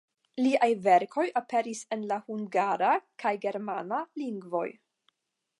Liaj verkoj aperis en la hungara, kaj germana lingvoj.